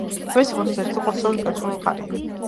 იმერეთი საქართველოს ერთ-ერთი ისტორიულ-ეთნოგრაფიული მხარეა.